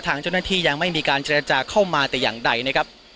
ทางเจ้าหน้าที่ยังไม่มีการเจรจาเข้ามาแต่อย่างใดนะครับ